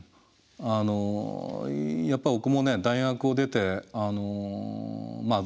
あのやっぱり僕もね大学を出てまあ